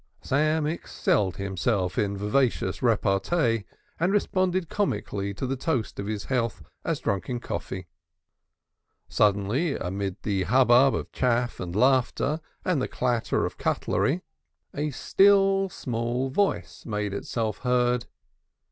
Samuel excelled himself in vivacious repartee, and responded comically to the toast of his health as drunk in coffee. Suddenly, amid the hubbub of chaff and laughter and the clatter of cutlery, a still small voice made itself heard.